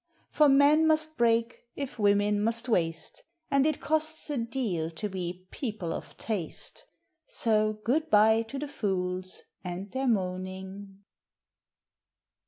For men must break if women must waste, And it costs a deal to be "people of taste," So good bye to the fools and their moaning.